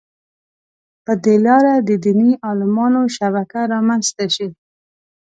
په دې لاره د دیني عالمانو شبکه رامنځته شي.